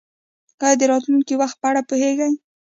ایا د راتلونکي وخت په اړه پوه شوئ؟